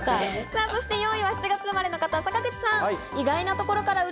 ４位は７月生まれの方、坂口さん。